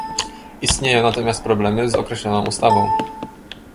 Istnieją natomiast problemy z określoną ustawą